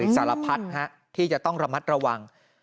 สารพัดที่จะต้องระมัดระวัง